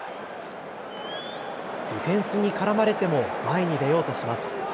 ディフェンスに絡まれても前に出ようとします。